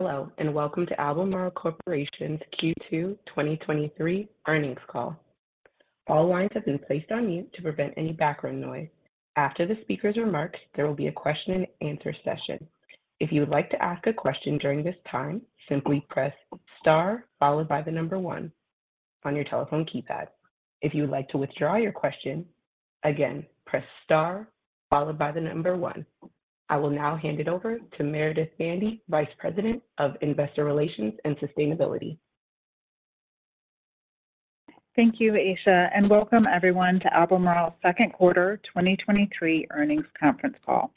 Hello, and welcome to Albemarle Corporation's Q2 2023 earnings call. All lines have been placed on mute to prevent any background noise. After the speaker's remarks, there will be a question and answer session. If you would like to ask a question during this time, simply press star, followed by the number 1 on your telephone keypad. If you would like to withdraw your question, again, press star followed by the number 1. I will now hand it over to Meredith Bandy, Vice President of Investor Relations and Sustainability. Thank you, Aisha. Welcome everyone to Albemarle's second quarter 2023 earnings conference call.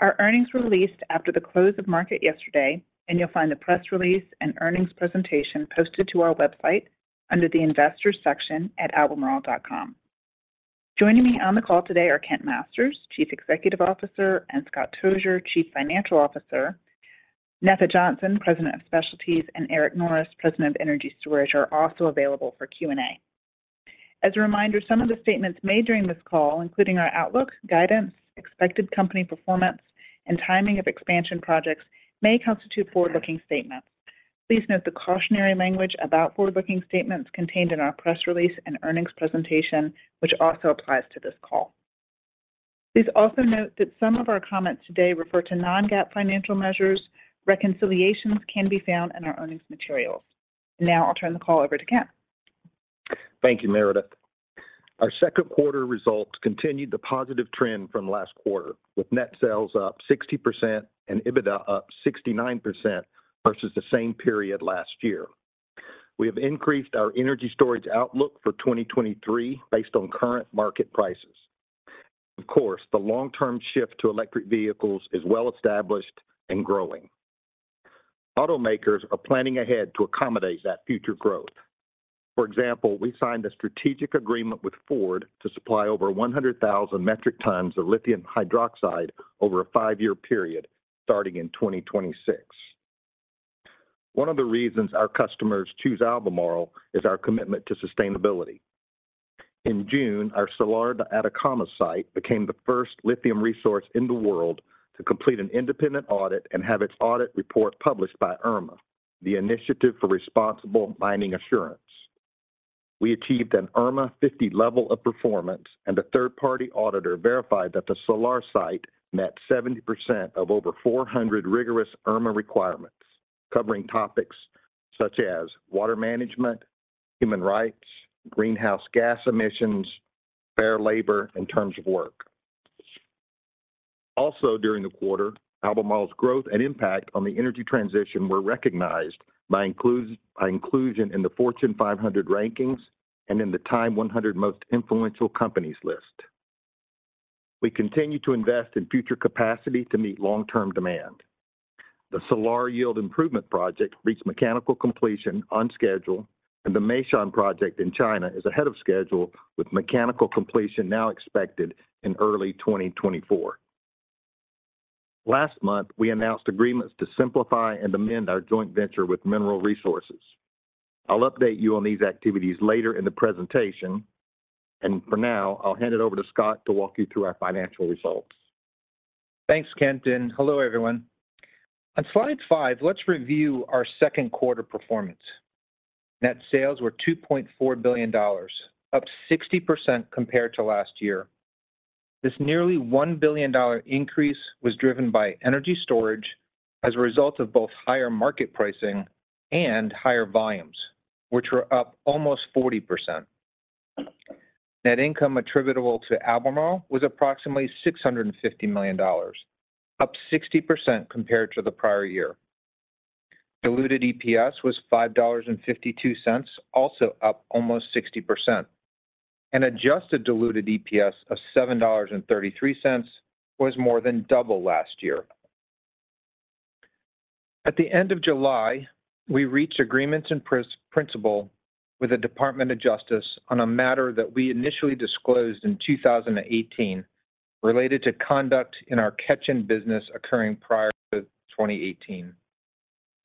Our earnings were released after the close of market yesterday. You'll find the press release and earnings presentation posted to our website under the Investors section at albemarle.com. Joining me on the call today are Kent Masters, Chief Executive Officer, and Scott Tozier, Chief Financial Officer. Netha Johnson, President of Specialties, and Eric Norris, President of Energy Storage, are also available for Q&A. As a reminder, some of the statements made during this call, including our outlook, guidance, expected company performance, and timing of expansion projects, may constitute forward-looking statements. Please note the cautionary language about forward-looking statements contained in our press release and earnings presentation, which also applies to this call. Please also note that some of our comments today refer to non-GAAP financial measures. Reconciliations can be found in our earnings materials. Now I'll turn the call over to Kent. Thank you, Meredith. Our second quarter results continued the positive trend from last quarter, with net sales up 60% and EBITDA up 69% versus the same period last year. We have increased our energy storage outlook for 2023 based on current market prices. Of course, the long-term shift to electric vehicles is well established and growing. Automakers are planning ahead to accommodate that future growth. For example, we signed a strategic agreement with Ford to supply over 100,000 metric tons of lithium hydroxide over a five-year period starting in 2026. One of the reasons our customers choose Albemarle is our commitment to sustainability. In June, our Salar de Atacama site became the first lithium resource in the world to complete an independent audit and have its audit report published by IRMA, the Initiative for Responsible Mining Assurance. We achieved an IRMA 50 level of performance, a third-party auditor verified that the Salar site met 70% of over 400 rigorous IRMA requirements, covering topics such as water management, human rights, greenhouse gas emissions, fair labor, and terms of work. During the quarter, Albemarle's growth and impact on the energy transition were recognized by inclusion in the Fortune 500 rankings and in the TIME100 Most Influential Companies list. We continue to invest in future capacity to meet long-term demand. The Salar Yield Improvement project reached mechanical completion on schedule, the Meishan project in China is ahead of schedule, with mechanical completion now expected in early 2024. Last month, we announced agreements to simplify and amend our joint venture with Mineral Resources. I'll update you on these activities later in the presentation, and for now, I'll hand it over to Scott to walk you through our financial results. Thanks, Kent, hello, everyone. On slide 5, let's review our second quarter performance. Net sales were $2.4 billion, up 60% compared to last year. This nearly $1 billion increase was driven by energy storage as a result of both higher market pricing and higher volumes, which were up almost 40%. Net income attributable to Albemarle was approximately $650 million, up 60% compared to the prior year. Diluted EPS was $5.52, also up almost 60%, and adjusted diluted EPS of $7.33 was more than double last year. At the end of July, we reached agreements in principle with the Department of Justice on a matter that we initially disclosed in 2018, related to conduct in our Ketjen business occurring prior to 2018.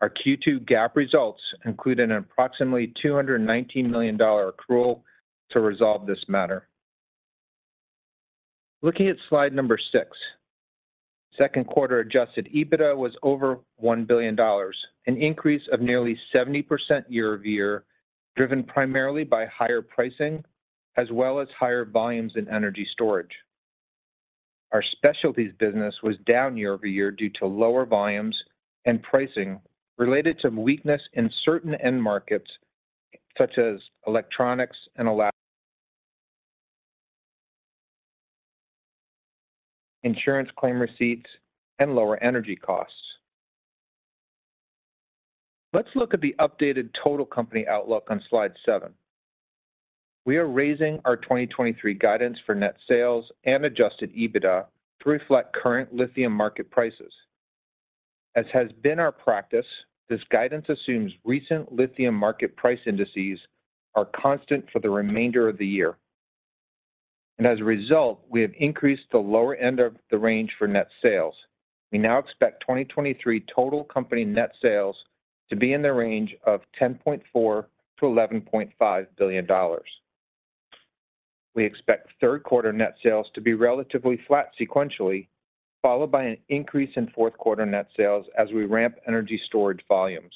Our Q2 GAAP results include an approximately $219 million accrual to resolve this matter. Looking at slide 6, second quarter adjusted EBITDA was over $1 billion, an increase of nearly 70% year-over-year, driven primarily by higher pricing as well as higher volumes in Energy Storage. Our Specialties business was down year-over-year due to lower volumes and pricing related to weakness in certain end markets, such as electronics and alas- insurance claim receipts and lower energy costs. Let's look at the updated total company outlook on slide 7. We are raising our 2023 guidance for net sales and adjusted EBITDA to reflect current lithium market prices. As has been our practice, this guidance assumes recent lithium market price indices are constant for the remainder of the year. As a result, we have increased the lower end of the range for net sales. We now expect 2023 total company net sales to be in the range of $10.4 billion-$11.5 billion. We expect third quarter net sales to be relatively flat sequentially, followed by an increase in fourth quarter net sales as we ramp energy storage volumes.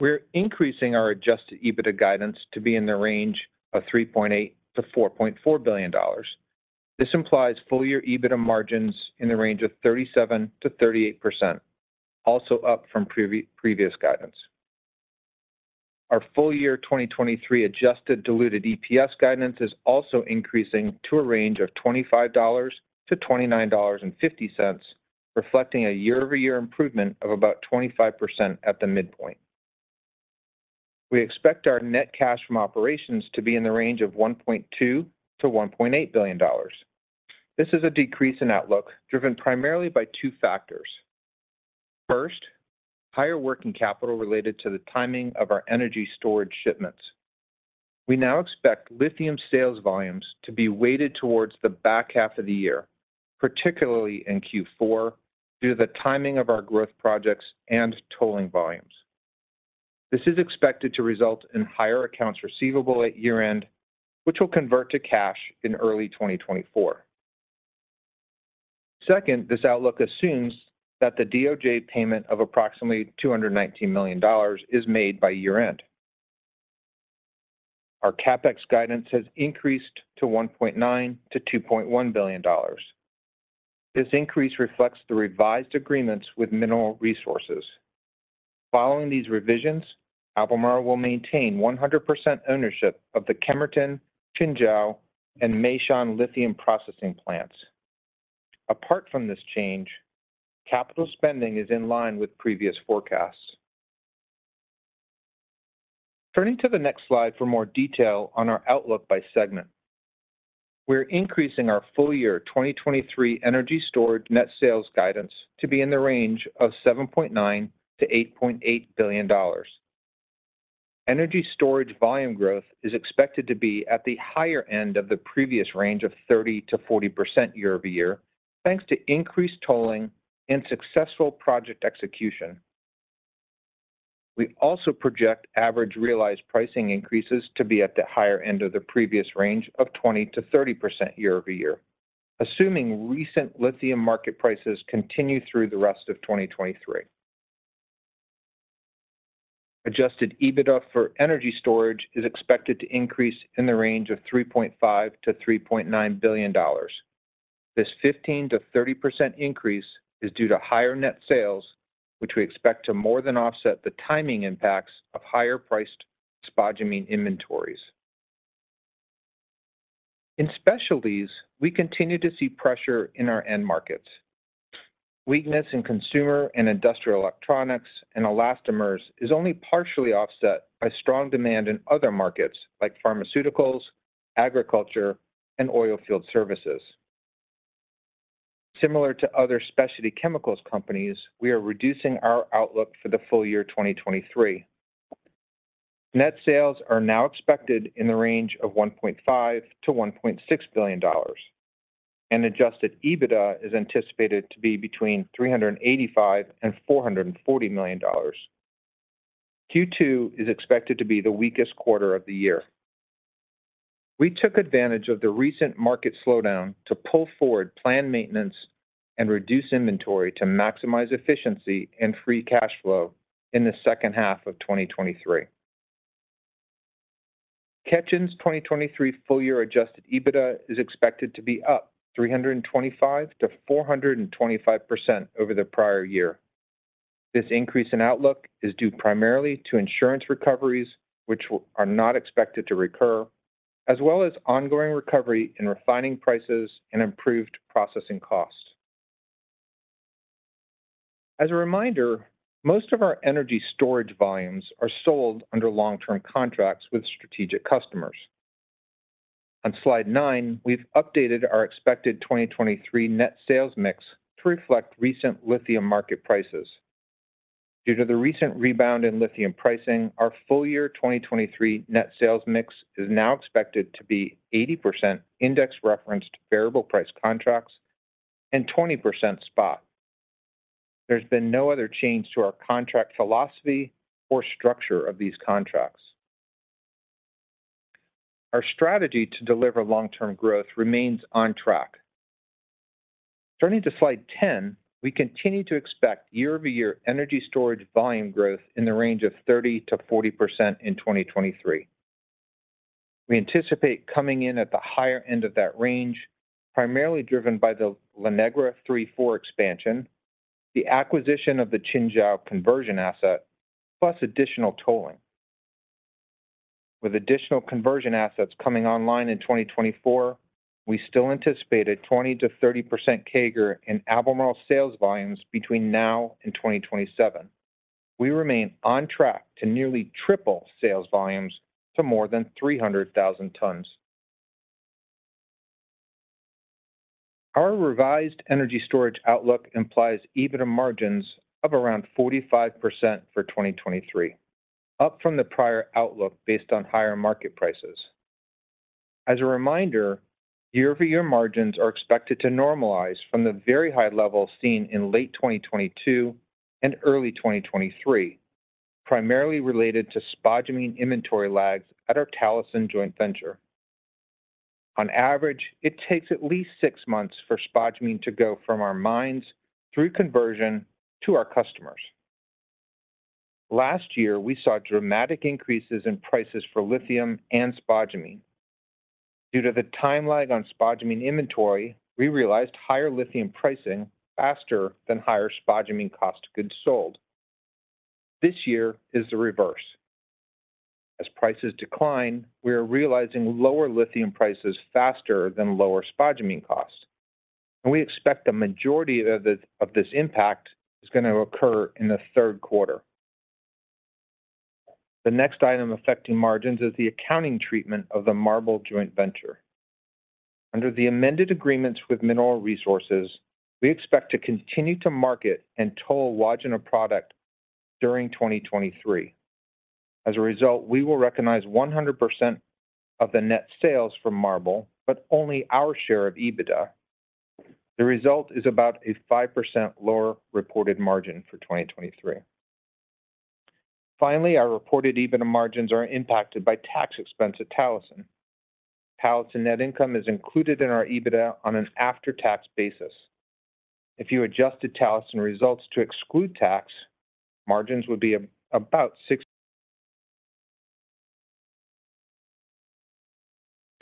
We're increasing our adjusted EBITDA guidance to be in the range of $3.8 billion-$4.4 billion. This implies full year EBITDA margins in the range of 37%-38%, also up from previous guidance. Our full year 2023 adjusted diluted EPS guidance is also increasing to a range of $25-$29.50, reflecting a year-over-year improvement of about 25% at the midpoint. We expect our net cash from operations to be in the range of $1.2 billion-$1.8 billion. This is a decrease in outlook, driven primarily by two factors. First, higher working capital related to the timing of our energy storage shipments. We now expect lithium sales volumes to be weighted towards the back half of the year, particularly in Q4, due to the timing of our growth projects and tolling volumes. This is expected to result in higher accounts receivable at year-end, which will convert to cash in early 2024. Second, this outlook assumes that the DOJ payment of approximately $219 million is made by year-end. Our CapEx guidance has increased to $1.9 billion-$2.1 billion. This increase reflects the revised agreements with Mineral Resources. Following these revisions, Albemarle will maintain 100% ownership of the Kemerton, Qinzhou, and Meishan lithium processing plants. Apart from this change, capital spending is in line with previous forecasts. Turning to the next slide for more detail on our outlook by segment. We're increasing our full year 2023 energy storage net sales guidance to be in the range of $7.9 billion-$8.8 billion. Energy storage volume growth is expected to be at the higher end of the previous range of 30%-40% year-over-year, thanks to increased tolling and successful project execution. We also project average realized pricing increases to be at the higher end of the previous range of 20%-30% year-over-year, assuming recent lithium market prices continue through the rest of 2023. Adjusted EBITDA for energy storage is expected to increase in the range of $3.5 billion-$3.9 billion. This 15%-30% increase is due to higher net sales, which we expect to more than offset the timing impacts of higher-priced spodumene inventories. In specialties, we continue to see pressure in our end markets. Weakness in consumer and industrial electronics and elastomers is only partially offset by strong demand in other markets, like pharmaceuticals, agriculture, and oil field services. Similar to other specialty chemicals companies, we are reducing our outlook for the full year 2023. Net sales are now expected in the range of $1.5 billion-$1.6 billion, and adjusted EBITDA is anticipated to be between $385 million and $440 million. Q2 is expected to be the weakest quarter of the year. We took advantage of the recent market slowdown to pull forward planned maintenance and reduce inventory to maximize efficiency and free cash flow in the second half of 2023. Ketjen's 2023 full year adjusted EBITDA is expected to be up 325%-425% over the prior year. This increase in outlook is due primarily to insurance recoveries, which are not expected to recur, as well as ongoing recovery in refining prices and improved processing costs. As a reminder, most of our energy storage volumes are sold under long-term contracts with strategic customers. On slide 9, we've updated our expected 2023 net sales mix to reflect recent lithium market prices. Due to the recent rebound in lithium pricing, our full year 2023 net sales mix is now expected to be 80% index-referenced variable price contracts and 20% spot. There's been no other change to our contract philosophy or structure of these contracts. Our strategy to deliver long-term growth remains on track. Turning to slide 10, we continue to expect year-over-year energy storage volume growth in the range of 30%-40% in 2023. We anticipate coming in at the higher end of that range, primarily driven by the La Negra III/IV expansion, the acquisition of the Qinzhou conversion asset, plus additional tolling. With additional conversion assets coming online in 2024, we still anticipate a 20%-30% CAGR in Albemarle sales volumes between now and 2027. We remain on track to nearly triple sales volumes to more than 300,000 tons. Our revised energy storage outlook implies EBITDA margins of around 45% for 2023, up from the prior outlook based on higher market prices. As a reminder, year-over-year margins are expected to normalize from the very high level seen in late 2022 and early 2023, primarily related to spodumene inventory lags at our Talison joint venture. On average, it takes at least six months for spodumene to go from our mines through conversion to our customers. Last year, we saw dramatic increases in prices for lithium and spodumene. Due to the time lag on spodumene inventory, we realized higher lithium pricing faster than higher spodumene cost of goods sold. This year is the reverse. As prices decline, we are realizing lower lithium prices faster than lower spodumene costs, and we expect a majority of this, of this impact is going to occur in the third quarter. The next item affecting margins is the accounting treatment of the MARBL joint venture. Under the amended agreements with Mineral Resources, we expect to continue to market and toll Wodgina product during 2023. As a result, we will recognize 100% of the net sales from MARBL, but only our share of EBITDA. The result is about a 5% lower reported margin for 2023. Finally, our reported EBITDA margins are impacted by tax expense at Talison. Talison net income is included in our EBITDA on an after-tax basis. If you adjusted Talison results to exclude tax, margins would be about 6%.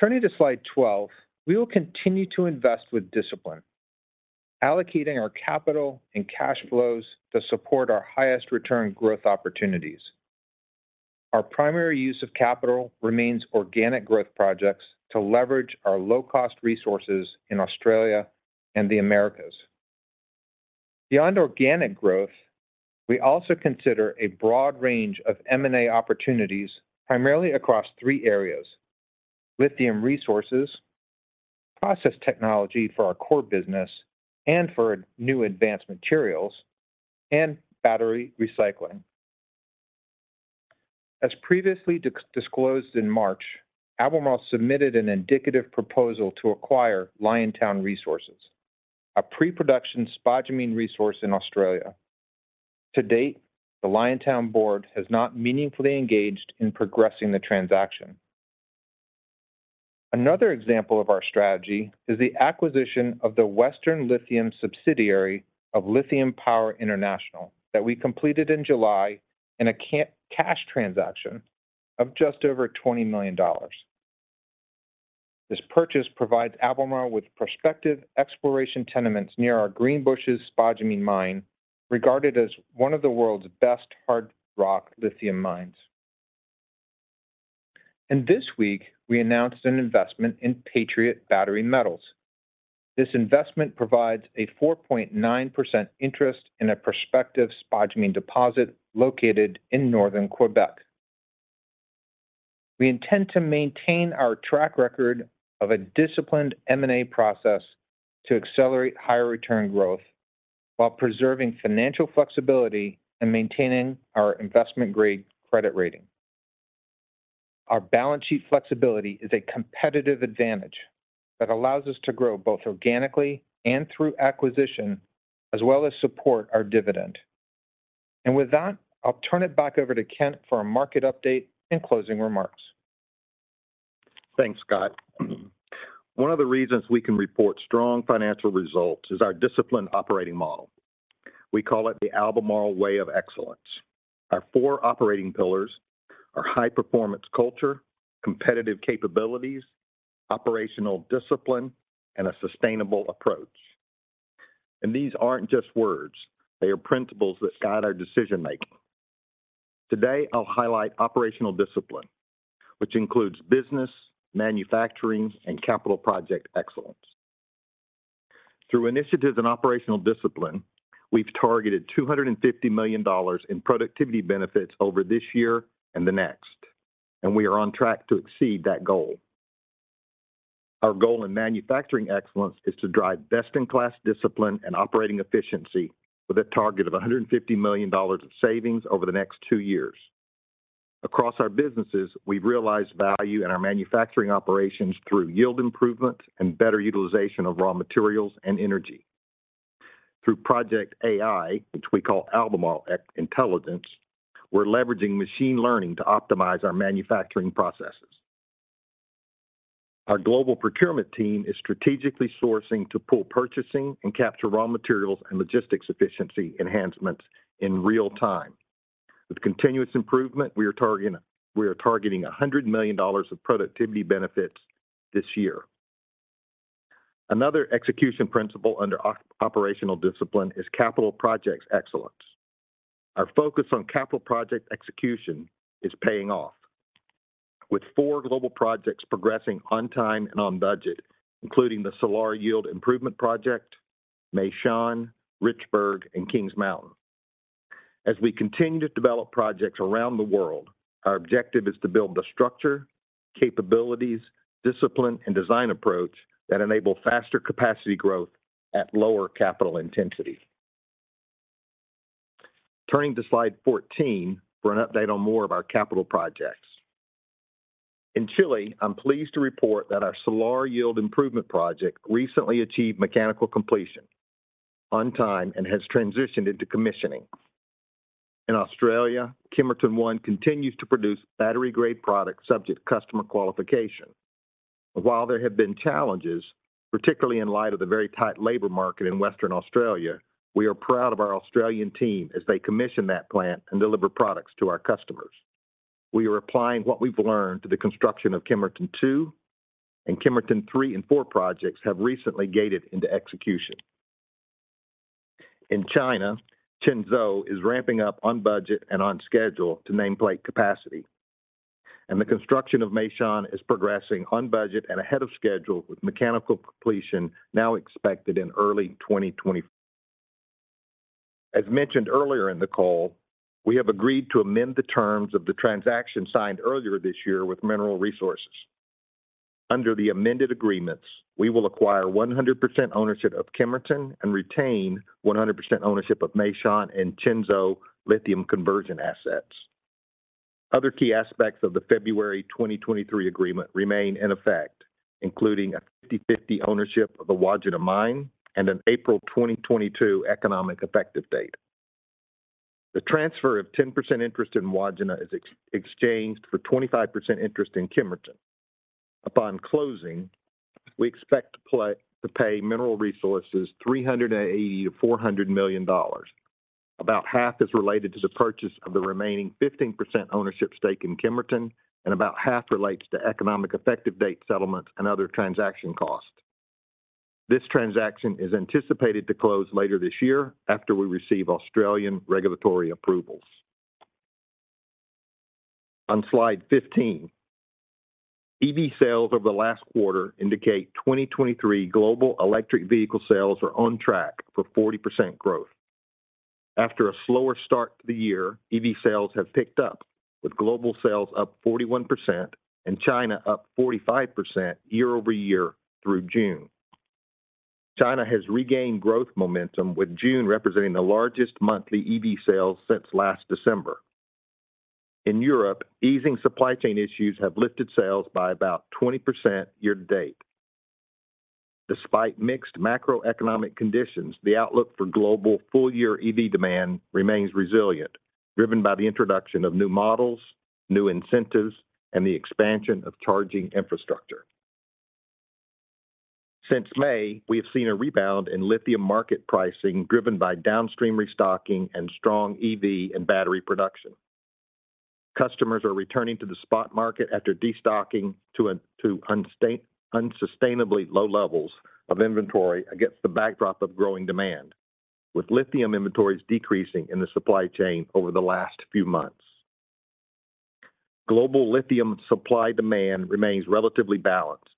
Turning to slide 12, we will continue to invest with discipline, allocating our capital and cash flows to support our highest return growth opportunities. Our primary use of capital remains organic growth projects to leverage our low-cost resources in Australia and the Americas. Beyond organic growth, we also consider a broad range of M&A opportunities, primarily across three areas: lithium resources, process technology for our core business and for new advanced materials, and battery recycling. As previously disclosed in March, Albemarle submitted an indicative proposal to acquire Liontown Resources, a pre-production spodumene resource in Australia. To date, the Liontown board has not meaningfully engaged in progressing the transaction. Another example of our strategy is the acquisition of the Western Lithium subsidiary of Lithium Power International that we completed in July in a cash transaction of just over $20 million. This purchase provides Albemarle with prospective exploration tenements near our Greenbushes Spodumene Mine, regarded as one of the world's best hard rock lithium mines. This week, we announced an investment in Patriot Battery Metals. This investment provides a 4.9% interest in a prospective spodumene deposit located in northern Quebec. We intend to maintain our track record of a disciplined M&A process to accelerate higher return growth while preserving financial flexibility and maintaining our investment-grade credit rating. Our balance sheet flexibility is a competitive advantage that allows us to grow both organically and through acquisition, as well as support our dividend. With that, I'll turn it back over to Kent for a market update and closing remarks. Thanks, Scott. One of the reasons we can report strong financial results is our disciplined operating model. We call it the Albemarle Way of Excellence. Our 4 operating pillars are high-performance culture, competitive capabilities, operational discipline, and a sustainable approach. These aren't just words, they are principles that guide our decision-making. Today, I'll highlight operational discipline, which includes business, manufacturing, and capital project excellence. Through initiatives and operational discipline, we've targeted $250 million in productivity benefits over this year and the next, and we are on track to exceed that goal. Our goal in manufacturing excellence is to drive best-in-class discipline and operating efficiency with a target of $150 million of savings over the next 2 years. Across our businesses, we've realized value in our manufacturing operations through yield improvement and better utilization of raw materials and energy. Through Project AI, which we call Albemarle Intelligence, we're leveraging machine learning to optimize our manufacturing processes. Our global procurement team is strategically sourcing to pull purchasing and capture raw materials and logistics efficiency enhancements in real time. With continuous improvement, we are targeting $100 million of productivity benefits this year. Another execution principle under operational discipline is capital projects excellence. Our focus on capital project execution is paying off, with 4 global projects progressing on time and on budget, including the Salar Yield Improvement project, Meishan, Richburg, and Kings Mountain. As we continue to develop projects around the world, our objective is to build the structure, capabilities, discipline, and design approach that enable faster capacity growth at lower capital intensity. Turning to slide 14 for an update on more of our capital projects. In Chile, I'm pleased to report that our Salar Yield Improvement project recently achieved mechanical completion on time and has transitioned into commissioning. In Australia, Kemerton 1 continues to produce battery-grade products subject to customer qualification. While there have been challenges, particularly in light of the very tight labor market in Western Australia, we are proud of our Australian team as they commission that plant and deliver products to our customers. We are applying what we've learned to the construction of Kemerton 2, and Kemerton 3 and 4 projects have recently gated into execution. In China, Qinzhou is ramping up on budget and on schedule to nameplate capacity, and the construction of Meishan is progressing on budget and ahead of schedule, with mechanical completion now expected in early 2020. As mentioned earlier in the call, we have agreed to amend the terms of the transaction signed earlier this year with Mineral Resources. Under the amended agreements, we will acquire 100% ownership of Kemerton and retain 100% ownership of Meishan and Qinzhou lithium conversion assets. Other key aspects of the February 2023 agreement remain in effect, including a 50/50 ownership of the Wodgina mine and an April 2022 economic effective date. The transfer of 10% interest in Wodgina is exchanged for 25% interest in Kemerton. Upon closing, we expect to pay Mineral Resources $380 million-$400 million. About half is related to the purchase of the remaining 15% ownership stake in Kemerton, and about half relates to economic effective date settlements and other transaction costs. This transaction is anticipated to close later this year after we receive Australian regulatory approvals. On slide 15, EV sales over the last quarter indicate 2023 global electric vehicle sales are on track for 40% growth. After a slower start to the year, EV sales have picked up, with global sales up 41% and China up 45% year-over-year through June. China has regained growth momentum, with June representing the largest monthly EV sales since last December. In Europe, easing supply chain issues have lifted sales by about 20% year to date. Despite mixed macroeconomic conditions, the outlook for global full-year EV demand remains resilient, driven by the introduction of new models, new incentives, and the expansion of charging infrastructure. Since May, we have seen a rebound in lithium market pricing, driven by downstream restocking and strong EV and battery production. Customers are returning to the spot market after destocking to unsustainably low levels of inventory against the backdrop of growing demand, with lithium inventories decreasing in the supply chain over the last few months. Global lithium supply-demand remains relatively balanced,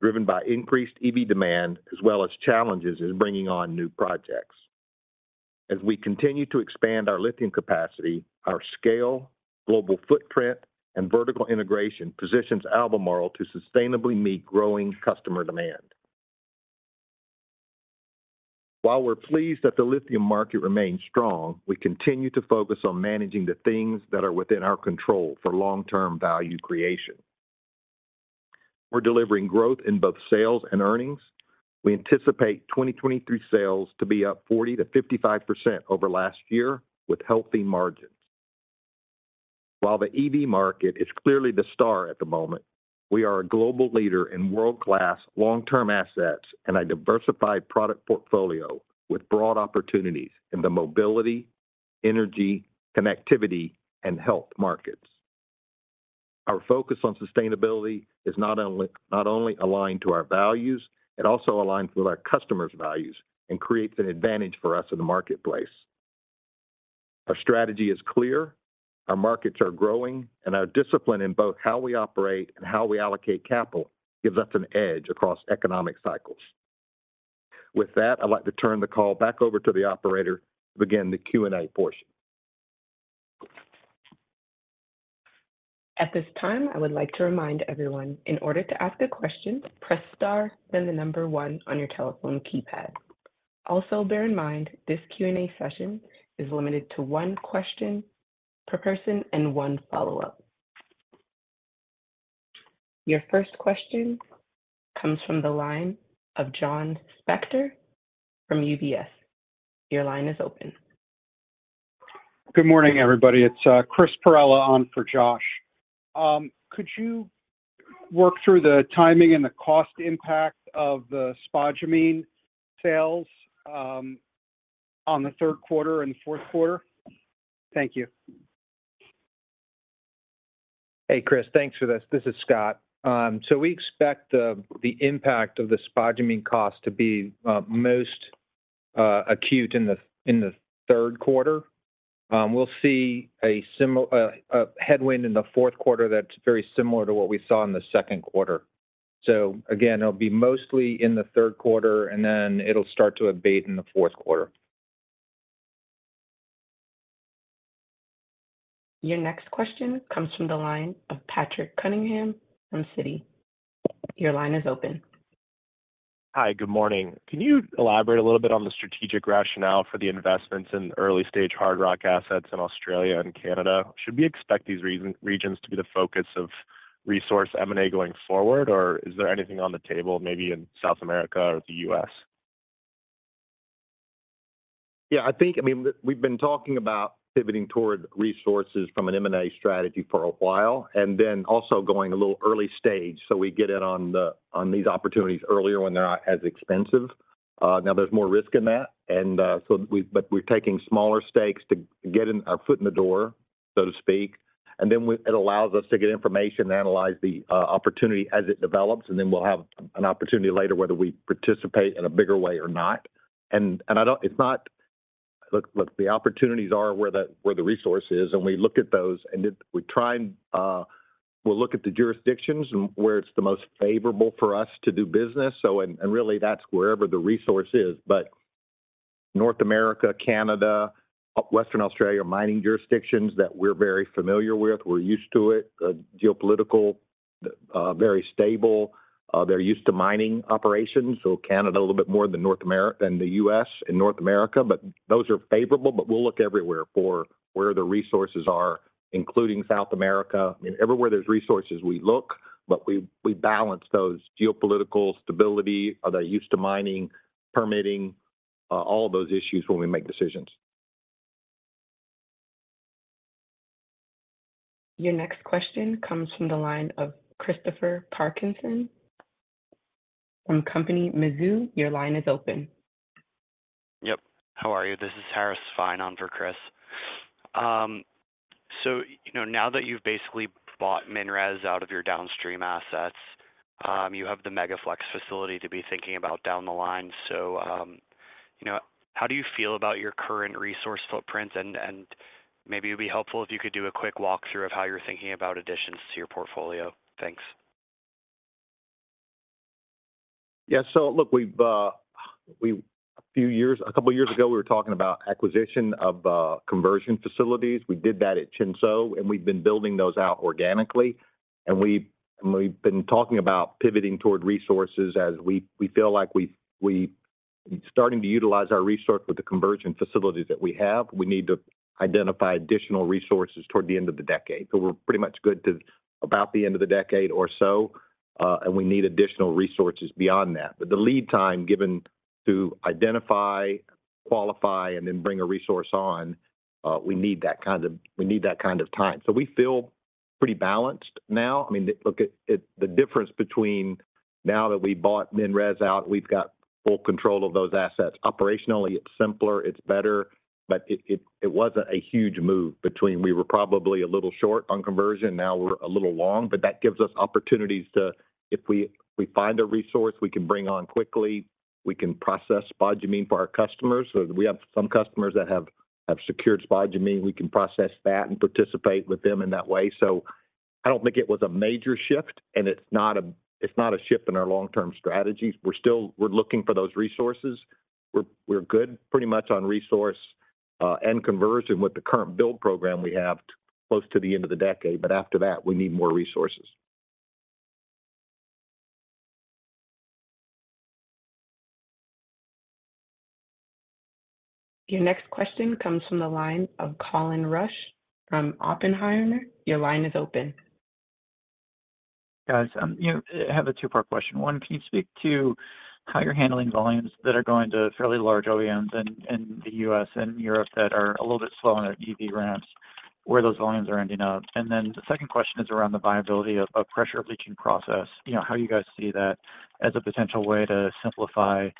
driven by increased EV demand, as well as challenges in bringing on new projects. As we continue to expand our lithium capacity, our scale, global footprint, and vertical integration positions Albemarle to sustainably meet growing customer demand. While we're pleased that the lithium market remains strong, we continue to focus on managing the things that are within our control for long-term value creation. We're delivering growth in both sales and earnings. We anticipate 2023 sales to be up 40%-55% over last year, with healthy margins. While the EV market is clearly the star at the moment, we are a global leader in world-class long-term assets and a diversified product portfolio with broad opportunities in the mobility, energy, connectivity, and health markets. Our focus on sustainability is not only aligned to our values, it also aligns with our customers' values and creates an advantage for us in the marketplace. Our strategy is clear, our markets are growing, and our discipline in both how we operate and how we allocate capital gives us an edge across economic cycles. With that, I'd like to turn the call back over to the operator to begin the Q&A portion. At this time, I would like to remind everyone, in order to ask a question, press star, then 1 on your telephone keypad. Also, bear in mind this Q&A session is limited to 1 question per person and 1 follow-up. Your first question comes from the line of Josh Spector from UBS. Your line is open. Good morning, everybody. It's Chris Perrella on for Josh. Could you work through the timing and the cost impact of the spodumene sales on the third quarter and fourth quarter? Thank you. Hey, Chris, thanks for this. This is Scott. We expect the, the impact of the spodumene cost to be most acute in the third quarter. We'll see a similar a headwind in the fourth quarter that's very similar to what we saw in the second quarter. Again, it'll be mostly in the third quarter, and then it'll start to abate in the fourth quarter. Your next question comes from the line of Patrick Cunningham from Citi. Your line is open. Hi, good morning. Can you elaborate a little bit on the strategic rationale for the investments in early-stage hard rock assets in Australia and Canada? Should we expect these regions to be the focus of resource M&A going forward, or is there anything on the table maybe in South America or the U.S.? I think, I mean, we've been talking about pivoting toward resources from an M&A strategy for a while, and then also going a little early stage, so we get in on these opportunities earlier when they're not as expensive. Now there's more risk in that, so we're taking smaller stakes to get in our foot in the door, so to speak. Then we. It allows us to get information and analyze the opportunity as it develops, and then we'll have an opportunity later whether we participate in a bigger way or not. I don't- it's not- look, look, the opportunities are where the, where the resource is, and we look at those, we try and. We'll look at the jurisdictions and where it's the most favorable for us to do business. And really, that's wherever the resource is. North America, Canada, Western Australia, are mining jurisdictions that we're very familiar with. We're used to it, geopolitical, very stable. They're used to mining operations, so Canada a little bit more than North America, than the U.S. and North America, but those are favorable. We'll look everywhere for where the resources are, including South America. I mean, everywhere there's resources, we look, but we, we balance those geopolitical stability. Are they used to mining, permitting, all of those issues when we make decisions. Your next question comes from the line of Christopher Parkinson. From Mizuho Securities, your line is open. Yep. How are you? This is Harris Fiene on for Chris. now that you've basically bought MinRes out of your downstream assets, you have the MegaFlex facility to be thinking about down the line. how do you feel about your current resource footprint? And maybe it'd be helpful if you could do a quick walkthrough of how you're thinking about additions to your portfolio. Thanks. Look, we've a few years, a couple of years ago, we were talking about acquisition of conversion facilities. We did that at Qinzhou, and we've been building those out organically, and we've, we've been talking about pivoting toward resources as we, we feel like we've, we're starting to utilize our resource with the conversion facilities that we have. We need to identify additional resources toward the end of the decade. We're pretty much good to about the end of the decade or so, and we need additional resources beyond that. The lead time given to identify, qualify, and then bring a resource on, we need that kind of time. We feel pretty balanced now. I mean, look at it, the difference between now that we bought MinRes out, we've got full control of those assets. Operationally, it's simpler, it's better, but it wasn't a huge move between we were probably a little short on conversion, now we're a little long, but that gives us opportunities to, if we find a resource we can bring on quickly, we can process spodumene for our customers. We have some customers that have secured spodumene. We can process that and participate with them in that way. I don't think it was a major shift, and it's not a shift in our long-term strategy. We're still looking for those resources. We're good pretty much on resource and conversion with the current build program we have close to the end of the decade, but after that, we need more resources. Your next question comes from the line of Colin Rush from Oppenheimer. Your line is open. Guys, I have a two-part question. One, can you speak to how you're handling volumes that are going to fairly large OEMs in the US and Europe that are a little bit slower on their EV ramps, where those volumes are ending up? The second question is around the viability of pressure leaching process. how you guys see that as a potential way to simplify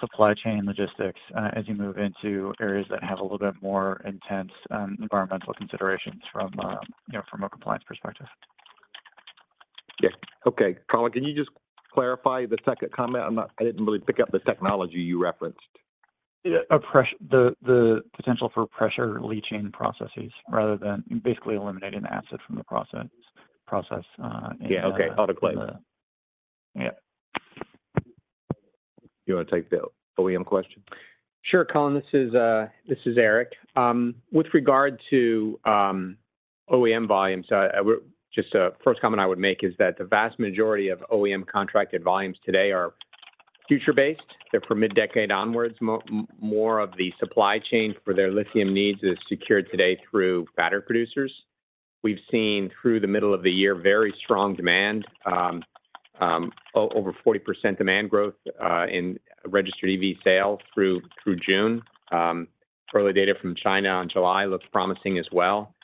supply chain logistics, as you move into areas that have a little bit more intense environmental considerations from, from a compliance perspective? Yeah. Okay, Colin, can you just clarify the second comment? I didn't really pick up the technology you referenced. The potential for pressure leaching processes rather than basically eliminating the asset from the process, process. okay. Autoclave. You want to take the OEM question? Sure, Colin. This is, this is Eric. With regard to OEM volumes, just a first comment I would make is that the vast majority of OEM contracted volumes today are future-based. They're from mid-decade onwards. More of the supply chain for their lithium needs is secured today through battery producers. We've seen through the middle of the year, very strong demand, over 40% demand growth in registered EV sales through, through June. Early data from China in July looks promising as well.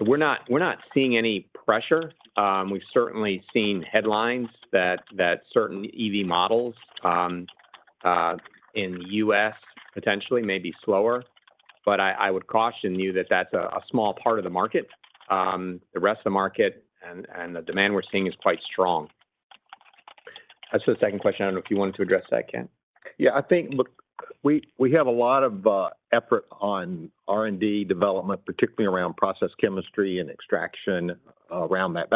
We're not, we're not seeing any pressure. We've certainly seen headlines that, that certain EV models in the US potentially may be slower, I, I would caution you that that's a, a small part of the market. The rest of the market and, and the demand we're seeing is quite strong. That's the second question. I don't know if you wanted to address that, Kent? I think, look, we, we have a lot of effort on R&D development, particularly around process chemistry and extraction around that.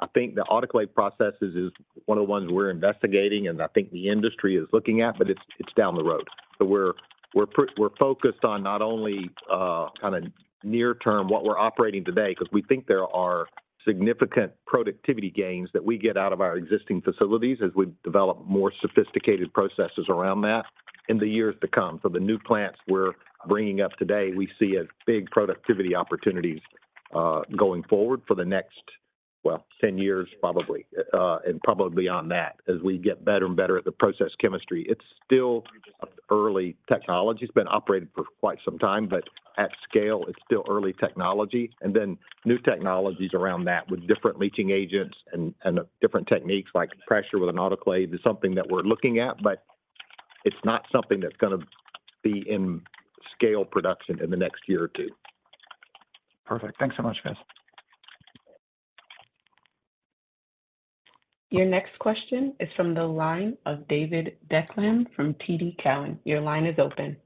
I think the autoclave processes is one of the ones we're investigating, and I think the industry is looking at, but it's, it's down the road. We're focused on not only kind of near term, what we're operating today, 'cause we think there are significant productivity gains that we get out of our existing facilities as we develop more sophisticated processes around that in the years to come. The new plants we're bringing up today, we see as big productivity opportunities, going forward for the next, well, 10 years, probably, and probably on that as we get better and better at the process chemistry. It's still early technology. It's been operating for quite some time, but at scale, it's still early technology. Then new technologies around that with different leaching agents and different techniques like pressure with an autoclave is something that we're looking at. It's not something that's gonna be in scale production in the next year or 2. Perfect. Thanks so much, guys. Your next question is from the line of David Deckelbaum from TD Cowen. Your line is open.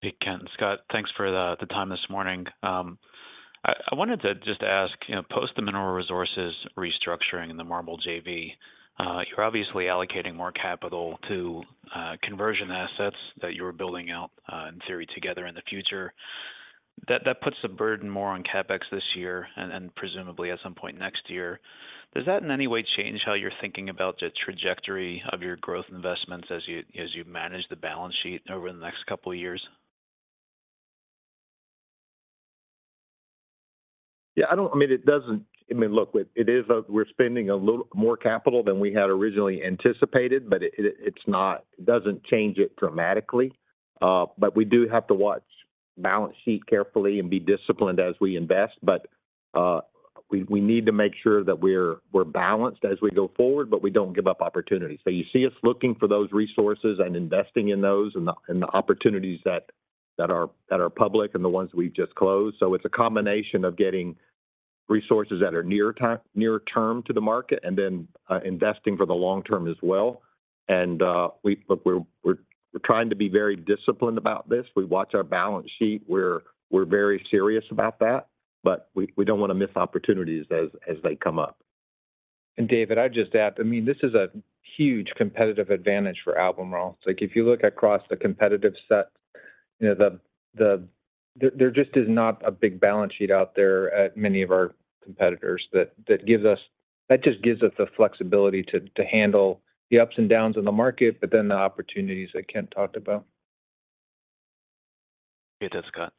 Hey, Kent and Scott. Thanks for the time this morning. I, I wanted to just ask, post the Mineral Resources restructuring and the MARBL JV, you're obviously allocating more capital to conversion assets that you were building out in theory, together in the future. That, that puts the burden more on CapEx this year and, and presumably at some point next year. Does that in any way change how you're thinking about the trajectory of your growth investments as you, as you manage the balance sheet over the next couple of years? I don't, I mean, it doesn't. I mean, look, we're spending a little more capital than we had originally anticipated, but it, it, it's not-- it doesn't change it dramatically. We do have to watch the balance sheet carefully and be disciplined as we invest. We, we need to make sure that we're, we're balanced as we go forward, but we don't give up opportunities. You see us looking for those resources and investing in those and the, and the opportunities that, that are, that are public and the ones we've just closed. It's a combination of getting resources that are near term to the market and then investing for the long term as well. We, look, we're trying to be very disciplined about this. We watch our balance sheet, we're, we're very serious about that, but we, we don't wanna miss opportunities as, as they come up. David, I'd just add, I mean, this is a huge competitive advantage for Albemarle. Like, if you look across the competitive set, the, the, there, there just is not a big balance sheet out there at many of our competitors that just gives us the flexibility to, to handle the ups and downs in the market, but then the opportunities that Kent talked about. Thanks, Scott.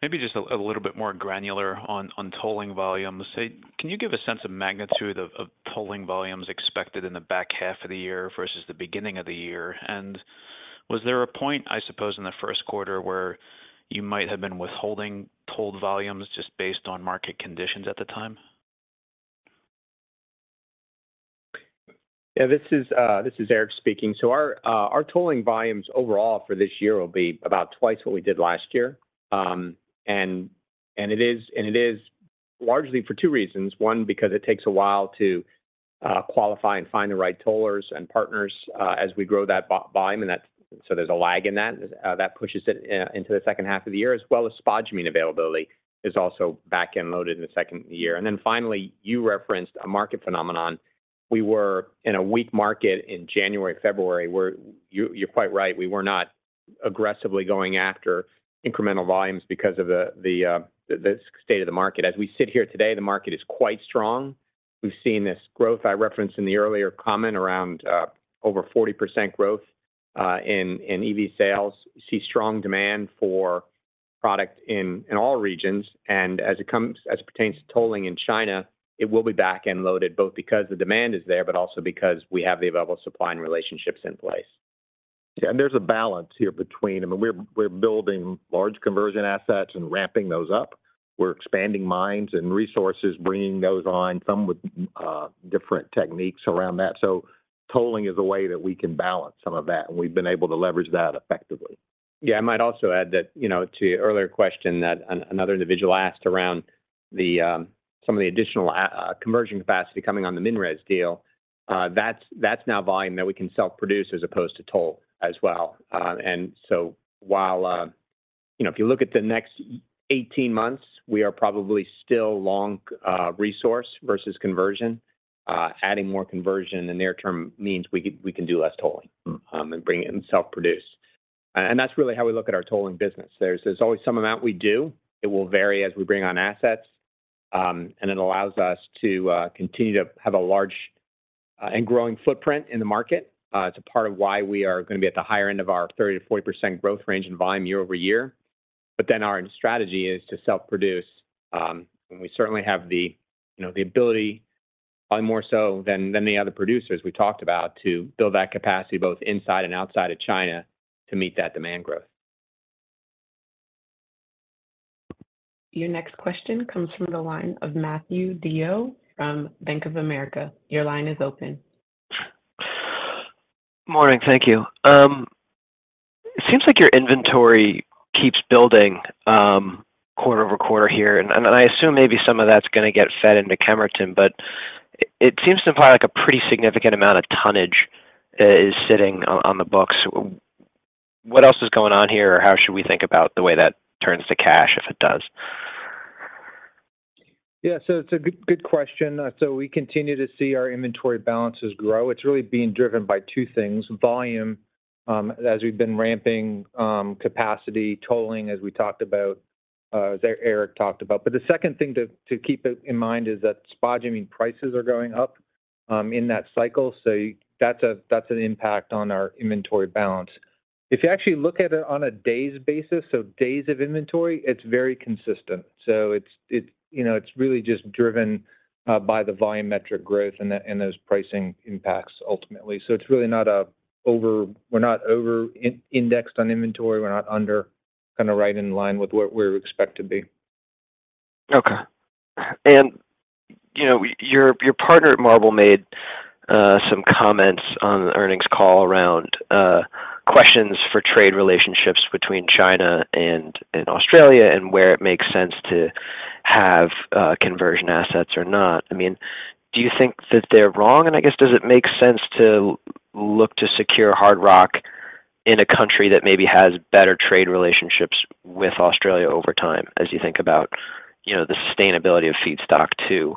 Maybe just a little bit more granular on tolling volume. Can you give a sense of magnitude of tolling volumes expected in the back half of the year versus the beginning of the year? Was there a point, I suppose, in the first quarter, where you might have been withholding tolled volumes just based on market conditions at the time? This is, this is Eric speaking. Our tolling volumes overall for this year will be about 2x what we did last year. It is, and it is largely for two reasons: one, because it takes a while to qualify and find the right tollers and partners as we grow that volume, so there's a lag in that. That pushes it into the second half of the year, as well as spodumene availability is also back-end loaded in the second year. Then finally, you referenced a market phenomenon. We were in a weak market in January, February, where you, you're quite right, we were not aggressively going after incremental volumes because of the, the, the, the state of the market. As we sit here today, the market is quite strong. We've seen this growth I referenced in the earlier comment around, over 40% growth, in, in EV sales. We see strong demand for product in, in all regions, and as it pertains to tolling in China, it will be back-end loaded, both because the demand is there, but also because we have the available supply and relationships in place. there's a balance here between. I mean, we're building large conversion assets and ramping those up. We're expanding mines and resources, bringing those on, some with different techniques around that. Tolling is a way that we can balance some of that, and we've been able to leverage that effectively. I might also add that, to your earlier question that another individual asked around the some of the additional conversion capacity coming on the MinRes deal, that's, that's now volume that we can self-produce as opposed to toll as well. While, if you look at the next 18 months, we are probably still long resource versus conversion. Adding more conversion in the near term means we can, we can do less tolling, and bring it in self-produce. That's really how we look at our tolling business. There's, there's always some amount we do. It will vary as we bring on assets, and it allows us to continue to have a large and growing footprint in the market. It's a part of why we are gonna be at the higher end of our 30%-40% growth range in volume year-over-year. Our strategy is to self-produce, and we certainly have the, the ability, more so than, than the other producers we talked about, to build that capacity both inside and outside of China to meet that demand growth. Your next question comes from the line of Matthew DeYoe from Bank of America. Your line is open. Morning. Thank you. It seems like your inventory keeps building, quarter-over-quarter here, and I assume maybe some of that's gonna get fed into Kemerton. It seems to provide like a pretty significant amount of tonnage, is sitting on the books. What else is going on here? Or how should we think about the way that turns to cash, if it does? Yeah. It's a good question. We continue to see our inventory balances grow. It's really being driven by two things: volume, as we've been ramping, capacity, tolling, as we talked about, as Eric talked about. The second thing to, to keep it in mind is that spodumene prices are going up, in that cycle. That's a, that's an impact on our inventory balance. If you actually look at it on a days basis, so days of inventory, it's very consistent. It's, it, it's really just driven by the volumetric growth and those pricing impacts ultimately. It's really not a over We're not over in- indexed on inventory. We're not under, kind of, right in line with what we're expect to be. Okay. your partner at MARBL made some comments on the earnings call around questions for trade relationships between China and Australia and where it makes sense to have conversion assets or not. I mean, do you think that they're wrong? I guess, does it make sense to look to secure hard rock in a country that maybe has better trade relationships with Australia over time, as you think about, the sustainability of feedstock to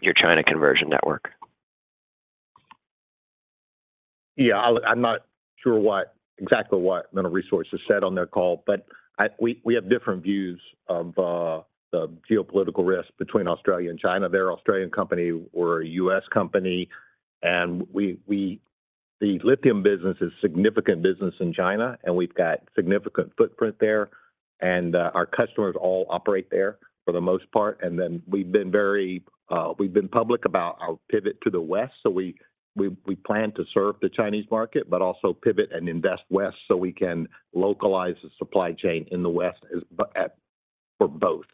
your China conversion network? I'm not sure what, exactly what Mineral Resources said on their call, but I, we, we have different views of the geopolitical risk between Australia and China. They're an Australian company or a U.S. company, and we, we. The lithium business is a significant business in China, and we've got significant footprint there, and our customers all operate there for the most part. Then we've been very, we've been public about our pivot to the West. We, we, we plan to serve the Chinese market, but also pivot and invest West, so we can localize the supply chain in the West as for both.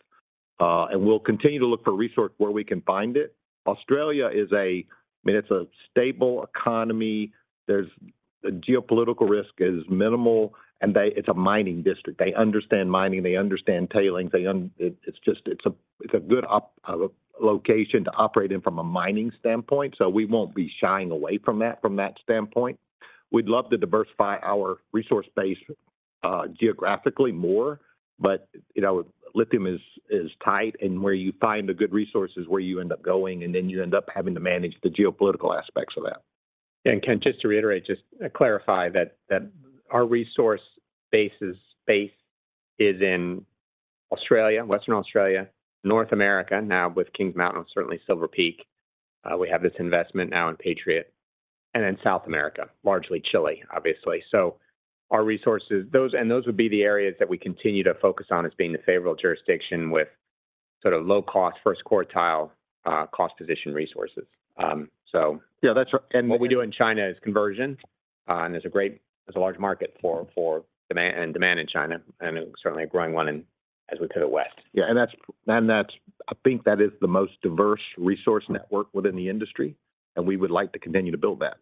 We'll continue to look for resource where we can find it. Australia is a, I mean, it's a stable economy. There's. The geopolitical risk is minimal, and it's a mining district. They understand mining, they understand tailings, it's just, it's a good location to operate in from a mining standpoint, so we won't be shying away from that, from that standpoint. We'd love to diversify our resource base, geographically more, but, lithium is, is tight, and where you find the good resources is where you end up going, and then you end up having to manage the geopolitical aspects of that. Kent, just to reiterate, just clarify that, that our resource base is, base is in Australia, Western Australia, North America, now with Kings Mountain, certainly Silver Peak. We have this investment now in Patriot and then South America, largely Chile, obviously. Our resources, those would be the areas that we continue to focus on as being the favorable jurisdiction with sort of low cost, first quartile, cost position resources. that's right. What we do in China is conversion, and there's a great, there's a large market for, for demand and demand in China and certainly a growing one in, as we pivot west. that's, I think that is the most diverse resource network within the industry, and we would like to continue to build that.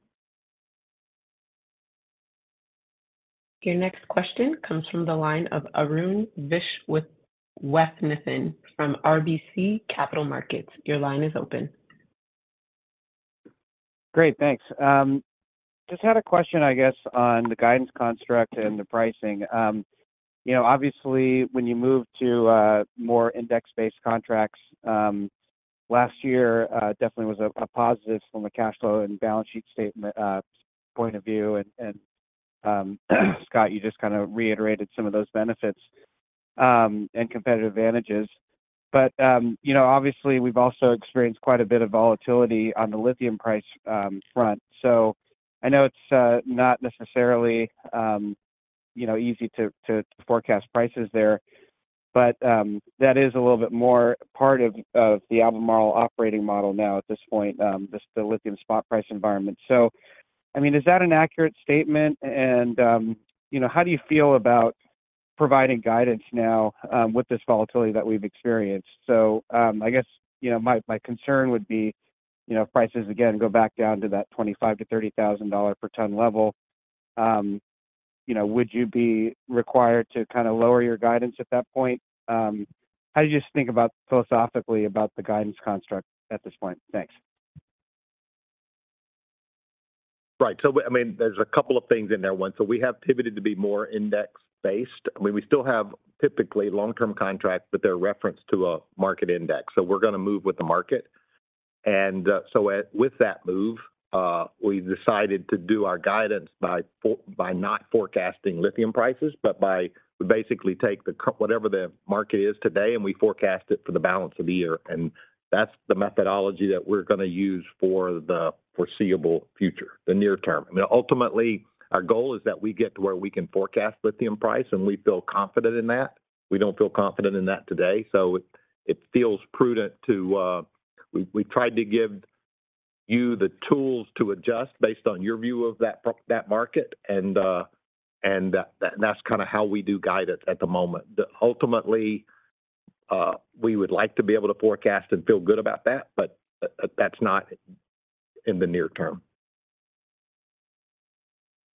Your next question comes from the line of Arun Viswanathan from RBC Capital Markets. Your line is open. Great, thanks. Just had a question, I guess, on the guidance construct and the pricing. obviously, when you moved to more index-based contracts, last year, definitely was a positive from a cash flow and balance sheet statement point of view. And, Scott, you just kind of reiterated some of those benefits and competitive advantages. But, obviously, we've also experienced quite a bit of volatility on the lithium price front. So I know it's not necessarily, easy to forecast prices there, but that is a little bit more part of the Albemarle operating model now at this point, just the lithium spot price environment. So, I mean, is that an accurate statement? how do you feel about providing guidance now, with this volatility that we've experienced? I guess, my, my concern would be, prices again, go back down to that $25,000-$30,000 per ton level. would you be required to kind of lower your guidance at that point? How do you just think about philosophically about the guidance construct at this point? Thanks. I mean, there's a couple of things in there. One, so we have pivoted to be more index-based. I mean, we still have typically long-term contracts, but they're referenced to a market index, so we're gonna move with the market. With that move, we've decided to do our guidance by not forecasting lithium prices, but by basically take whatever the market is today, and we forecast it for the balance of the year. That's the methodology that we're gonna use for the foreseeable future, the near term. I mean, ultimately, our goal is that we get to where we can forecast lithium price, and we feel confident in that. We don't feel confident in that today, so it feels prudent to We, we tried to give you the tools to adjust based on your view of that, that market, and that, that's kind of how we do guidance at the moment. Ultimately, we would like to be able to forecast and feel good about that, but that's not in the near term.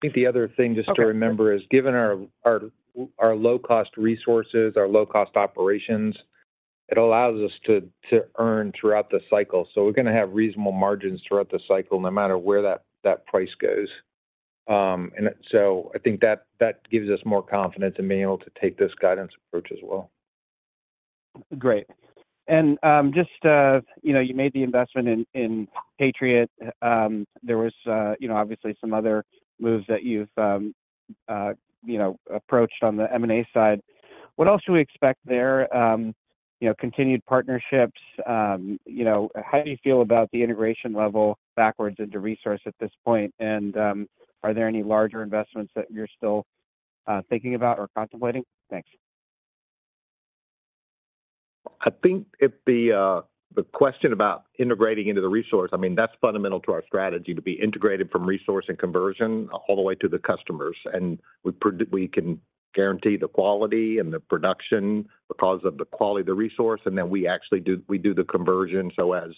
I think the other thing just to remember. Okay. is given our, our, our low-cost resources, our low-cost operations, it allows us to, to earn throughout the cycle. We're gonna have reasonable margins throughout the cycle, no matter where that, that price goes. I think that, that gives us more confidence in being able to take this guidance approach as well. Great. Just, you made the investment in Patriot. There was, obviously some other moves that you've, approached on the M&A side. What else should we expect there? continued partnerships, how do you feel about the integration level backwards into resource at this point? Are there any larger investments that you're still thinking about or contemplating? Thanks. I think if the question about integrating into the resource, I mean, that's fundamental to our strategy, to be integrated from resource and conversion all the way to the customers. We can guarantee the quality and the production because of the quality of the resource, and then we actually do we do the conversion. As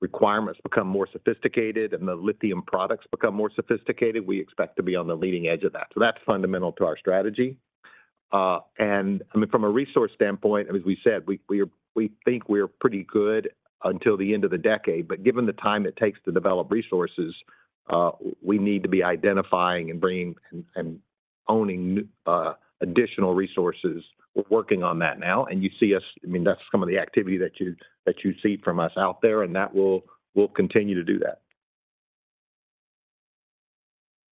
requirements become more sophisticated and the lithium products become more sophisticated, we expect to be on the leading edge of that. That's fundamental to our strategy. I mean, from a resource standpoint, as we said, we think we're pretty good until the end of the decade, but given the time it takes to develop resources, we need to be identifying and bringing and owning additional resources. We're working on that now, and you see us, I mean, that's some of the activity that you see from us out there, and that we'll continue to do that.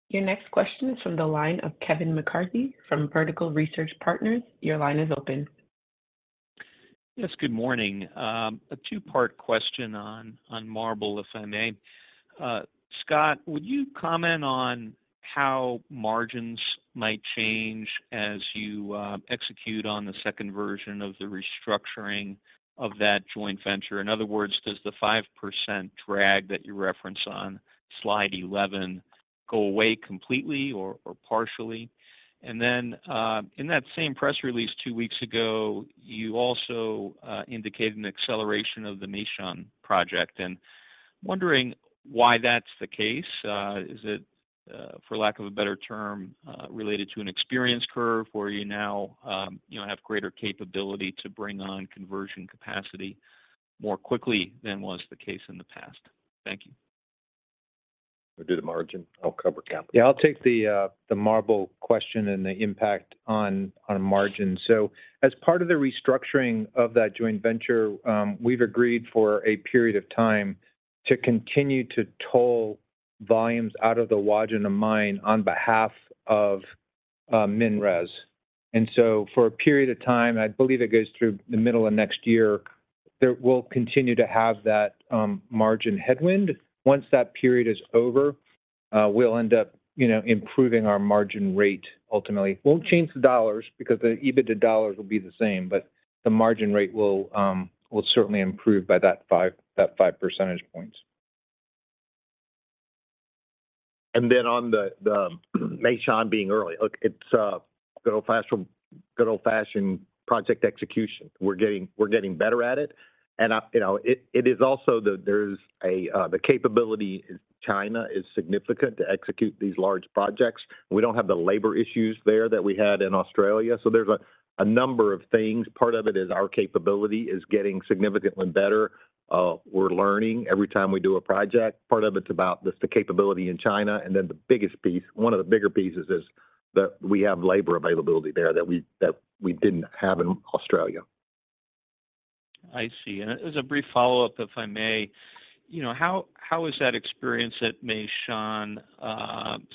Your next question is from the line of Kevin McCarthy from Vertical Research Partners. Your line is open. Yes, good morning. A two-part question on, on MARBL, if I may. Scott, would you comment on how margins might change as you execute on the second version of the restructuring of that joint venture? In other words, does the 5% drag that you reference on slide 11 go away completely or partially? Then, in that same press release 2 weeks ago, you also indicated an acceleration of the Meishan project, and I'm wondering why that's the case. Is it for lack of a better term, related to an experience curve where you now, have greater capability to bring on conversion capacity more quickly than was the case in the past? Thank you. You'll do the margin. I'll cover capital. I'll take the MARBL question and the impact on, on margin. As part of the restructuring of that joint venture, we've agreed for a period of time to continue to toll volumes out of the Wodgina mine on behalf of MinRes. So for a period of time, I believe it goes through the middle of next year, we'll continue to have that margin headwind. Once that period is over, we'll end up, improving our margin rate ultimately. Won't change the dollars because the EBITDA dollars will be the same, but the margin rate will certainly improve by that 5, that 5 percentage points. On the Meishan being early, look, it's a good old-fashioned, good old-fashioned project execution. We're getting, we're getting better at it. it is also there's a capability in China is significant to execute these large projects. We don't have the labor issues there that we had in Australia. There's a, a number of things. Part of it is our capability is getting significantly better. We're learning every time we do a project. Part of it's about just the capability in China. The biggest piece, one of the bigger pieces is that we have labor availability there that we, that we didn't have in Australia. I see. As a brief follow-up, if I may, how, how is that experience at Meishan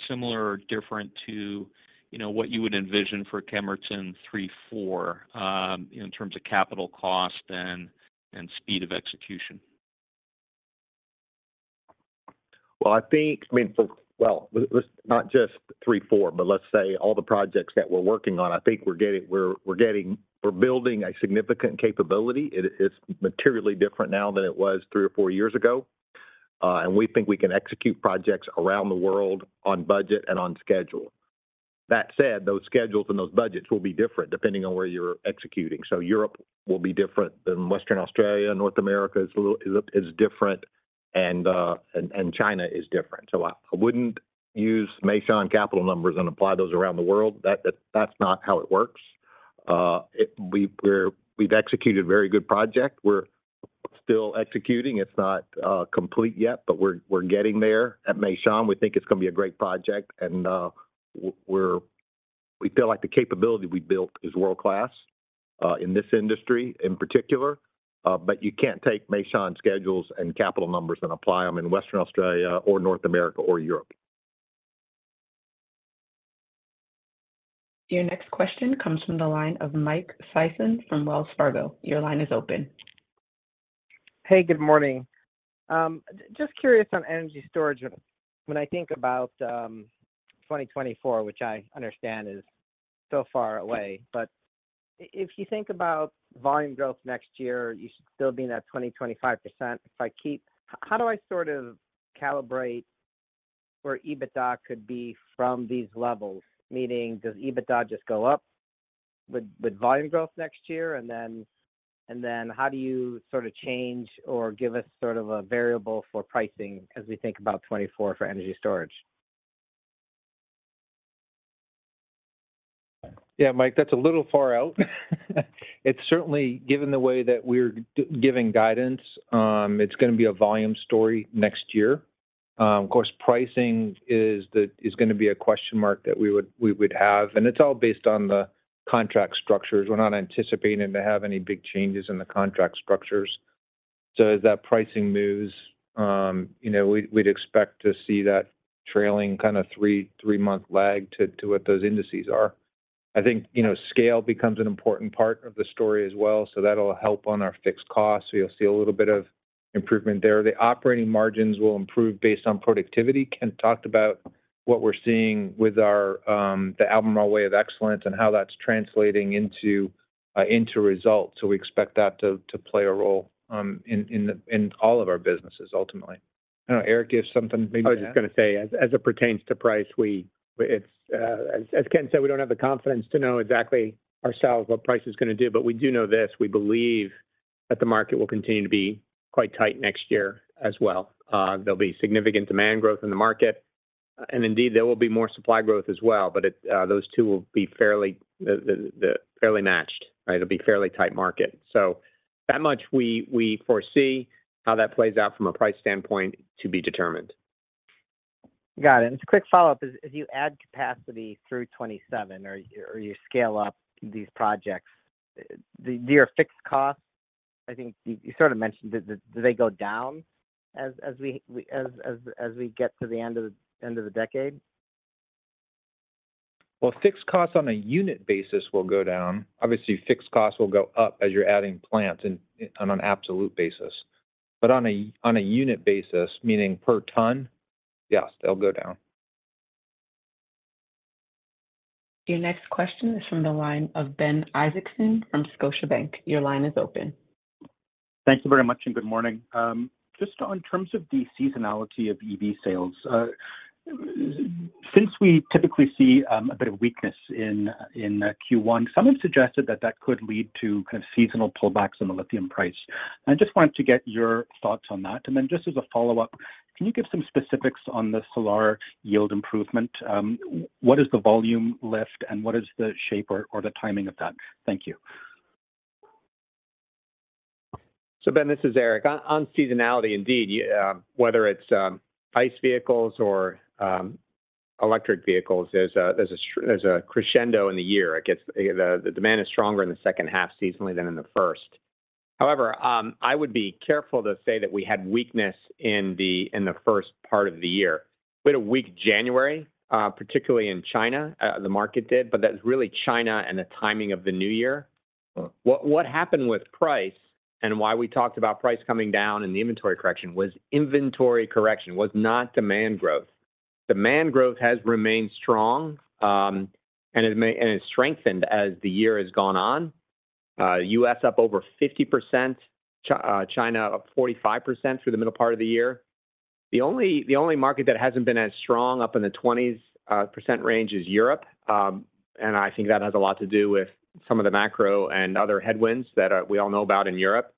similar or different to, what you would envision for Kemerton 3, 4, in terms of capital cost and speed of execution? Well, I think, I mean, for Well, let's, not just 3, 4, but let's say all the projects that we're working on, I think we're building a significant capability. It is, it's materially different now than it was 3 or 4 years ago, and we think we can execute projects around the world on budget and on schedule. That said, those schedules and those budgets will be different depending on where you're executing. Europe will be different than Western Australia. North America is a little, is different, and China is different. I, I wouldn't use Meishan capital numbers and apply those around the world. That's not how it works. We've executed a very good project. We're still executing. It's not complete yet, but we're, we're getting there. At Meishan, we think it's gonna be a great project, and, we're, we feel like the capability we built is world-class, in this industry in particular. You can't take Meishan schedules and capital numbers and apply them in Western Australia or North America or Europe. Your next question comes from the line of Mike Sison from Wells Fargo. Your line is open. Hey, good morning. Just curious on energy storage. When I think about 2024, which I understand is so far away, but if you think about volume growth next year, you should still be in that 20%-25%. How do I sort of calibrate? where EBITDA could be from these levels? Meaning, does EBITDA just go up with volume growth next year? Then, and then how do you sort of change or give us sort of a variable for pricing as we think about 2024 for energy storage? Mike, that's a little far out. It's certainly, given the way that we're giving guidance, it's gonna be a volume story next year. Of course, pricing is gonna be a question mark that we would, we would have, and it's all based on the contract structures. We're not anticipating to have any big changes in the contract structures. As that pricing moves, we'd, we'd expect to see that trailing kind of 3, 3-month lag to, to what those indices are. I think, scale becomes an important part of the story as well, so that'll help on our fixed costs. You'll see a little bit of improvement there. The operating margins will improve based on productivity. Kent talked about what we're seeing with our, the Albemarle Way of Excellence and how that's translating into results. We expect that to, to play a role, in the, in all of our businesses ultimately. I don't know, Eric, you have something maybe to add? I was just gonna say, as, as it pertains to price, it's As, as Kent said, we don't have the confidence to know exactly ourselves what price is gonna do. We do know this: We believe that the market will continue to be quite tight next year as well. There'll be significant demand growth in the market, and indeed, there will be more supply growth as well, but it, those two will be fairly, fairly matched, right? It'll be a fairly tight market. That much we, we foresee. How that plays out from a price standpoint, to be determined. Got it. Just a quick follow-up. As you add capacity through 2027 or you scale up these projects, do your fixed costs, I think you sort of mentioned, do they go down as we get to the end of the decade? Well, fixed costs on a unit basis will go down. Obviously, fixed costs will go up as you're adding plants in, on an absolute basis. On a, on a unit basis, meaning per ton, yes, they'll go down. Your next question is from the line of Ben Isaacson from Scotiabank. Your line is open. Thank you very much, and good morning. Just on terms of the seasonality of EV sales, since we typically see a bit of weakness in Q1, someone suggested that that could lead to kind of seasonal pullbacks in the lithium price. I just wanted to get your thoughts on that. Then just as a follow-up, can you give some specifics on the Salar Yield Improvement? What is the volume lift, and what is the shape or the timing of that? Thank you. Ben, this is Eric. On seasonality, indeed, you, whether it's ICE vehicles or electric vehicles, there's a, there's a crescendo in the year. The demand is stronger in the second half seasonally than in the first. I would be careful to say that we had weakness in the first part of the year. We had a weak January, particularly in China, the market did, that's really China and the timing of the new year. What happened with price and why we talked about price coming down and the inventory correction was inventory correction, was not demand growth. Demand growth has remained strong, it's strengthened as the year has gone on. U.S. up over 50%, China up 45% through the middle part of the year. The only, the only market that hasn't been as strong, up in the 20s % range, is Europe. I think that has a lot to do with some of the macro and other headwinds that we all know about in Europe.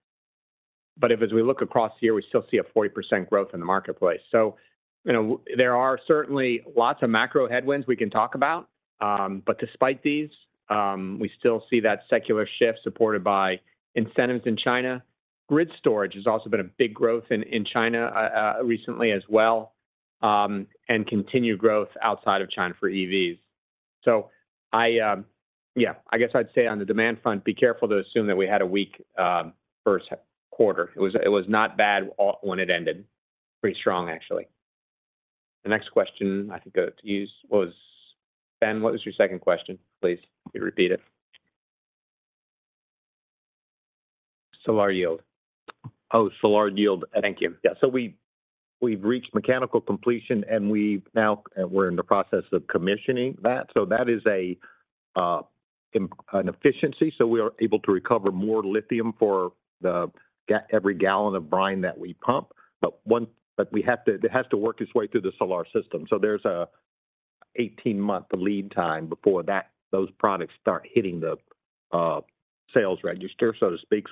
If as we look across the year, we still see a 40% growth in the marketplace. there are certainly lots of macro headwinds we can talk about. Despite these, we still see that secular shift supported by incentives in China. Grid storage has also been a big growth in, in China recently as well, and continued growth outside of China for EVs. I, yeah, I guess I'd say on the demand front, be careful to assume that we had a weak first quarter. It was, it was not bad off when it ended. Pretty strong, actually. The next question I think to use was Ben, what was your second question, please? Can you repeat it? Salar Yield. Oh, Salar Yield. Thank you. We've reached mechanical completion, and we now, we're in the process of commissioning that. That is a an efficiency, so we are able to recover more lithium for every gallon of brine that we pump. It has to work its way through the solar system. There's a 18-month lead time before that, those products start hitting the sales register, so to speak.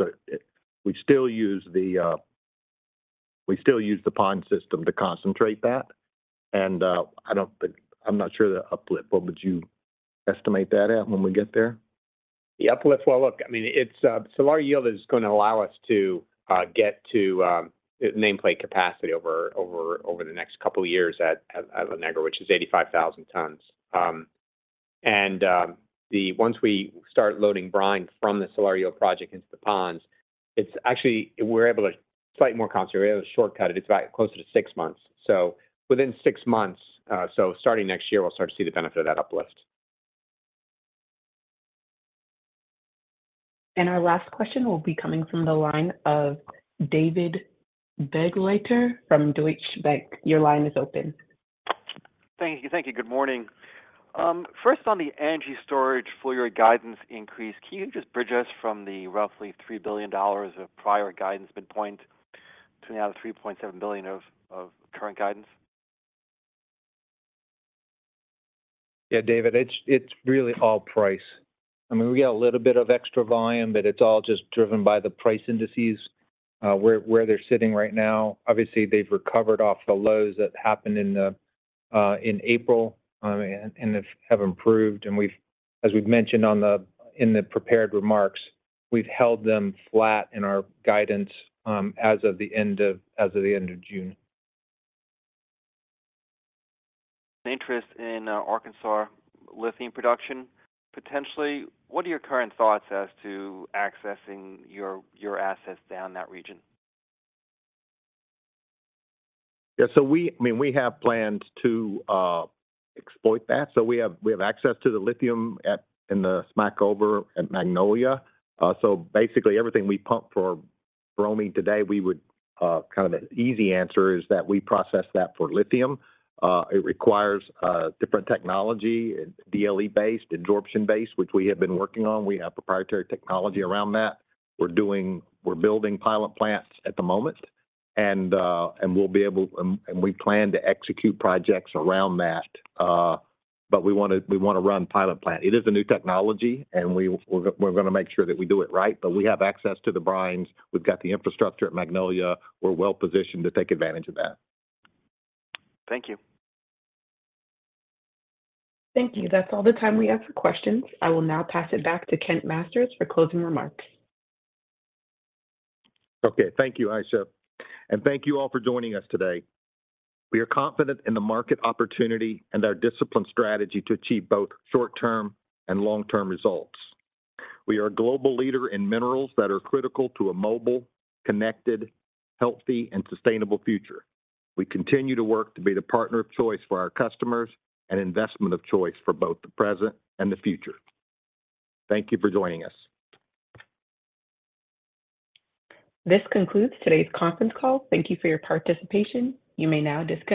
We still use the pond system to concentrate that, and I don't think, I'm not sure the uplift. What would you estimate that at when we get there? The uplift, well, look, I mean, it's Salar Yield is gonna allow us to get to nameplate capacity over the next couple of years at La Negra, which is 85,000 tons. Once we start loading brine from the Salar Yield project into the ponds, we're able to slightly more concentrate. We're able to shortcut it. It's about closer to six months, so within six months, so starting next year, we'll start to see the benefit of that uplift. Our last question will be coming from the line of David Begleiter from Deutsche Bank. Your line is open. Thank you. Thank you, good morning. First on the energy storage full-year guidance increase, can you just bridge us from the roughly $3 billion of prior guidance midpoint to now the $3.7 billion of, of current guidance? David, it's, it's really all price. I mean, we got a little bit of extra volume, but it's all just driven by the price indices, where, where they're sitting right now. Obviously, they've recovered off the lows that happened in the, in April, and, and have improved. We've as we've mentioned on the, in the prepared remarks, we've held them flat in our guidance, as of the end of, as of the end of June. Interest in Arkansas lithium production, potentially. What are your current thoughts as to accessing your, your assets down that region? I mean, we have plans to exploit that. We have, we have access to the lithium at, in the Smackover at Magnolia. Basically everything we pump for bromine today, we would, kind of the easy answer is that we process that for lithium. It requires different technology, DLE-based, absorption-based, which we have been working on. We have proprietary technology around that. We're building pilot plants at the moment, and we'll be able, and we plan to execute projects around that. We wanna, we wanna run pilot plant. It is a new technology, and we, we're, we're gonna make sure that we do it right, but we have access to the brines. We've got the infrastructure at Magnolia. We're well positioned to take advantage of that. Thank you. Thank you. That's all the time we have for questions. I will now pass it back to Kent Masters for closing remarks. Okay. Thank you, Aisha, and thank you all for joining us today. We are confident in the market opportunity and our discipline strategy to achieve both short-term and long-term results. We are a global leader in minerals that are critical to a mobile, connected, healthy, and sustainable future. We continue to work to be the partner of choice for our customers and investment of choice for both the present and the future. Thank you for joining us. This concludes today's conference call. Thank you for your participation. You may now disconnect.